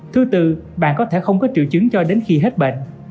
thứ tư bạn có thể không có triệu chứng cho đến khi hết bệnh